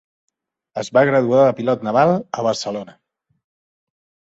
Es va graduar de pilot naval a Barcelona.